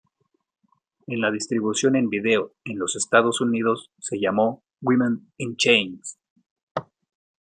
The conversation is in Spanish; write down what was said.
En la distribución en vídeo en los Estados Unidos se llamó Women in Chains.